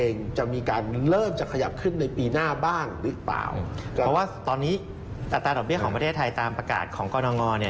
นี่อัตราดับเบี้ยของประเทศไทยตามประกาศของก้อนงอเนี่ย